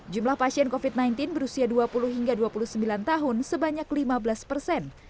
jumlah pasien covid sembilan belas berusia dua puluh hingga dua puluh sembilan tahun sebanyak lima belas persen